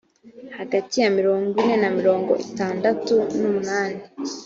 hagati ya mirongwine na mirongo itandatu n umunani